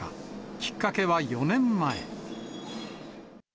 きっかけは４年前。